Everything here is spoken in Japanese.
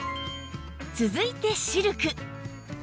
続いてシルク